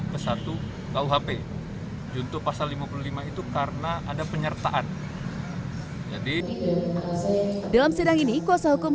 ke satu kuhp juntuh pasal lima puluh lima itu karena ada penyertaan jadi dalam sidang ini kuasa hukum